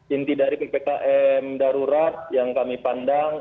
inti dari ppkm darurat yang kami pandang